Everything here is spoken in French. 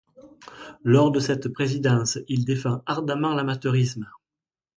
Lors de cette présidence, il défend ardemment l'amateurisme.